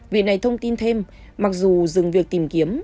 vị này thông tin thêm mặc dù dừng việc tìm kiếm